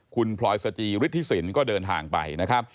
คุณพลอยสตรีฤทธิสินก็เดินทางไป